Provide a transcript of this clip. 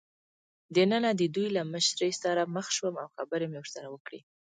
دننه د دوی له مشرې سره مخ شوم او خبرې مې ورسره وکړې.